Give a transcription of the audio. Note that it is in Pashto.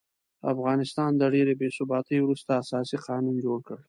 افغانستان د ډېرې بې ثباتۍ وروسته اساسي قانون جوړ کړ.